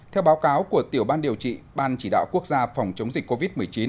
theo báo cáo của tiểu ban điều trị ban chỉ đạo quốc gia phòng chống dịch covid một mươi chín